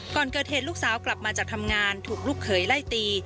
ก่อนเกิดเหตุลูกสาวกลับมาจากทำงานถูกลูกเขยไล่ตี